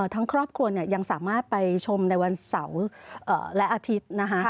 ครอบครัวยังสามารถไปชมในวันเสาร์และอาทิตย์นะคะ